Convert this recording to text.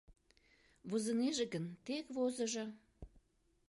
— Возынеже гын, тек возыжо.